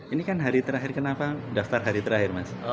ini kan hari terakhir kenapa daftar hari terakhir mas